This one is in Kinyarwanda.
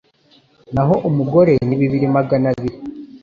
naho umugore ni bibiri Magana abiri